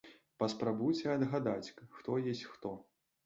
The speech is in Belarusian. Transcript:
Паспрабуйце адгадаць, хто ёсць хто.